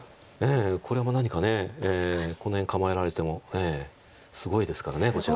これも何かこの辺構えられてもすごいですからこっちが。